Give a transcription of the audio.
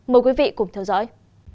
mời quý vị cùng theo dõi